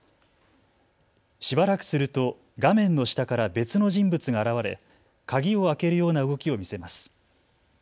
しばらくすると画面の下から別の人物が現れ、鍵を開けるような動きを見せます。